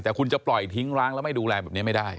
แต่คุณจะปล่อยทิ้งร้างแล้วไม่ดูแลแบบนี้ไม่ได้